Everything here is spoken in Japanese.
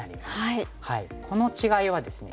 この違いはですね